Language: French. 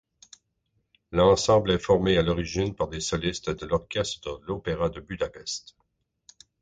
L'ensemble est formé à l'origine par des solistes de l'orchestre de l'Opéra de Budapest.